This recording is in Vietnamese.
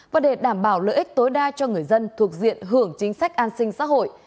và để đảm bảo lợi ích tối đa cho người dân thuộc diện hưởng chính sách an sinh xã hội